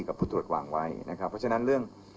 กับผู้ตรวจวางไว้นะครับเพราะฉะนั้นเรื่อง